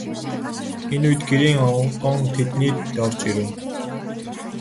Энэ үед Гэрийн онгон тэднийд орж ирэв.